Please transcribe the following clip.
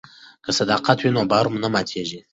که صداقت وي نو باور نه ماتیږي.